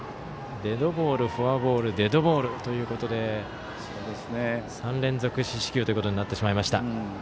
デッドボール、フォアボールデッドボールということで３連続四死球となってしまいました。